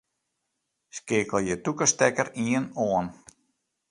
Skeakelje tûke stekker ien oan.